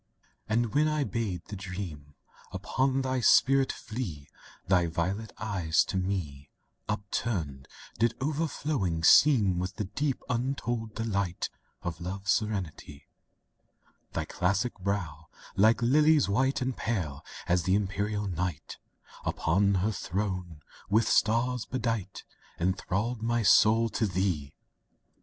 II And when I bade the dream Upon thy spirit flee, Thy violet eyes to me Upturned, did overflowing seem With the deep, untold delight Of Love's serenity; Thy classic brow, like lilies white And pale as the Imperial Night Upon her throne, with stars bedight, Enthralled my soul to thee!